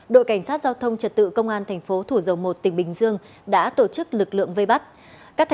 đội cảnh sát giao thông trật tự công an thành phố thủ dầu một tỉnh bình dương đã tổ chức lực lượng vây bắt